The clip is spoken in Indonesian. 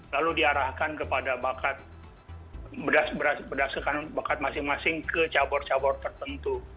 lalu diarahkan kepada bakat berdasarkan bakat masing masing ke cabur cabur tertentu